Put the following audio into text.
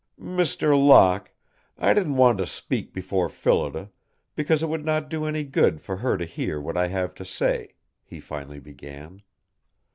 "Mr. Locke, I didn't want to speak before Phillida, because it would not do any good for her to hear what I have to say," he finally began.